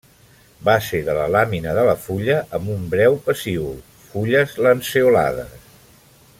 Base de la làmina de la fulla amb un breu pecíol; fulles lanceolades.